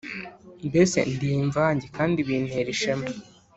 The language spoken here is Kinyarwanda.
Mbese ndi imvange kandi bintera ishema.